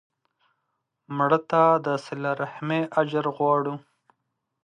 مړه ته د صله رحمي اجر غواړو